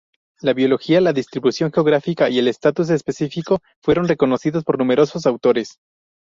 La biología, la distribución geográfica y el estatus específico fueron reconocidos por numerosos autores.